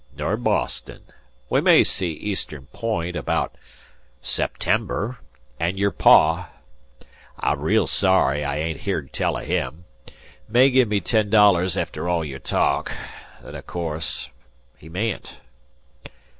Ner Boston. We may see Eastern Point about September; an' your pa I'm real sorry I hain't heerd tell of him may give me ten dollars efter all your talk. Then o' course he mayn't."